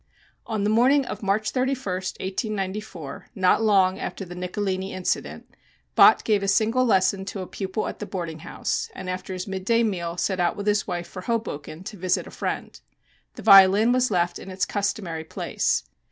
On the morning of March 31, 1894, not long after the Nicolini incident, Bott gave a single lesson to a pupil at the boarding house, and after his midday meal set out with his wife for Hoboken to visit a friend. The violin was left in its customary place.